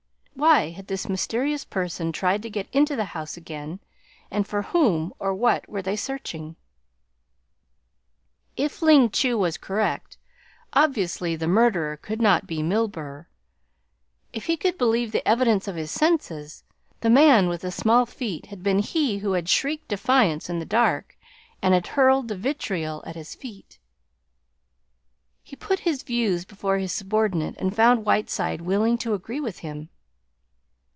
Why had this mysterious person tried to get into the house again, and for whom or what were they searching? If Ling Chu was correct, obviously the murderer could not be Milburgh. If he could believe the evidence of his senses, the man with the small feet had been he who had shrieked defiance in the darkness and had hurled the vitriol at his feet. He put his views before his subordinate and found Whiteside willing to agree with him.